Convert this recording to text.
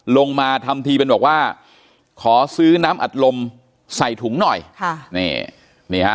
ลงมาทำทีเป็นบอกว่าขอซื้อน้ำอัดลมใส่ถุงหน่อยค่ะนี่ฮะ